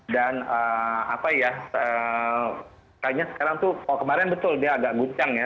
dan apa ya kayaknya sekarang tuh oh kemarin betul dia agak guncang ya